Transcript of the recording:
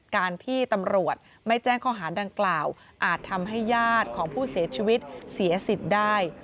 การที่ตำรวจไม่แจ้งข้อหารดังกล่าวอาจทำให้ญาติของผู้เสียชีวิตเสียสิทธิ์ได้